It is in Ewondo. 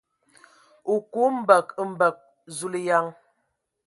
O ku mbǝg mbǝg ! Zulǝyan.